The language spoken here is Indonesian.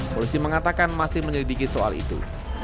polisi mengatakan masih menyelidiki soal itu